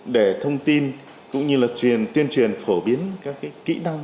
để thông tin cũng như là truyền tuyên truyền phổ biến các kỹ năng